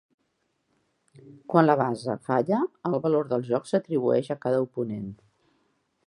Quan la basa falla, el valor del joc s'atribueix a cada oponent.